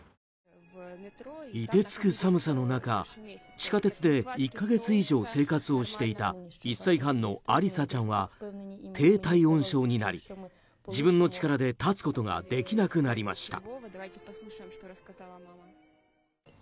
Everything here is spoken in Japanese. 凍てつく寒さの中、地下鉄で１か月以上生活をしていた１歳半のアリサちゃんは低体温症になり自分の力で立つことができなくなりました。